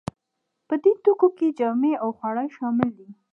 په دې توکو کې جامې او خواړه شامل دي.